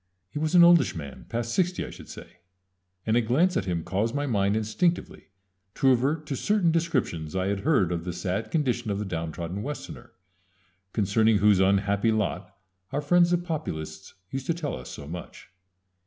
He was an oldish man, past sixty, I should say, and a glance at him caused my mind instinctively to revert to certain descriptions I had heard of the sad condition of the downtrodden Westerner, concerning whose unhappy lot our friends the Populists used to tell us so much.